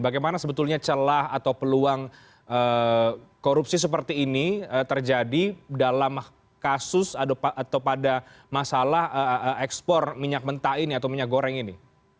bagaimana sebetulnya celah atau peluang korupsi seperti ini terjadi dalam kasus atau pada masalah ekspor minyak mentah ini atau minyak goreng ini